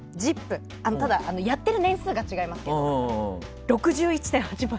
やってる年数が違いますけどえー！